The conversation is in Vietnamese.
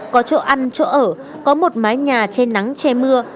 có chỗ ăn chỗ ở có một mái nhà che nắng che mưa